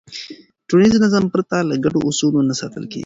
ټولنیز نظم پرته له ګډو اصولو نه ساتل کېږي.